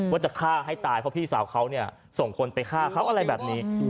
ว่าจะฆ่าให้ตายเพราะพี่สาวเขาเนี่ยส่งคนไปฆ่าเขาอะไรแบบนี้